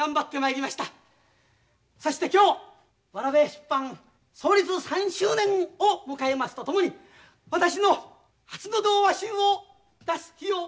そして今日わらべ出版創立３周年を迎えますとともに私の初の童話集を出す日を迎えることができたのであります。